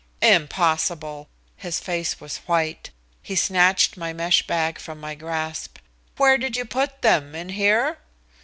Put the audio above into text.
"Impossible!" His face was white. He snatched my mesh bag from my grasp. "Where did you put them? In here?"